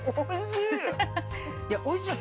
いやおいしいよ